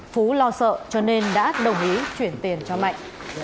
phú lo sợ cho nên đã đồng ý chuyển tiền cho mạnh